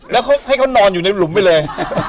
แล้วให้เขานอนอยู่ในหลุมไปเลย